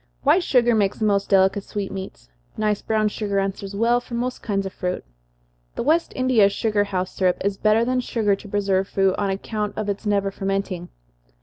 White sugar makes the most delicate sweetmeats nice brown sugar answers very well for most kinds of fruit. The West India sugar house syrup is better than sugar to preserve fruit, on account of its never fermenting.